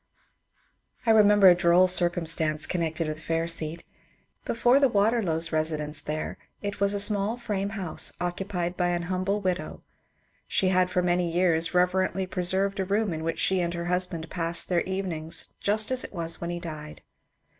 I remember a droll circumstance connected with Fairseat. Before the Waterlows' residence there it was a small frame house occupied by an humble widow. She had for many years reverently preserved a room in which she and her husband passed their evenings just as it was when he died.